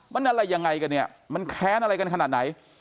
มันอะไรยังไงกันเนี่ยมันแค้นอะไรกันขนาดไหน